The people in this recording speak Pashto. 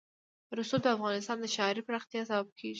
رسوب د افغانستان د ښاري پراختیا سبب کېږي.